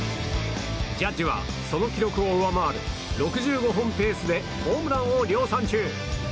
ジャッジは、その記録を上回る６５本ペースでホームランを量産中。